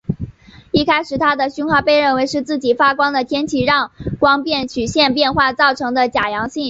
一开始它的讯号被认为是自己发光的天体让光变曲线变化造成的假阳性。